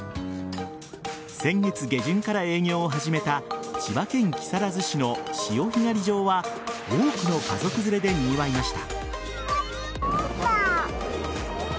先月下旬から営業を始めた千葉県木更津市の潮干狩り場は多くの家族連れでにぎわいました。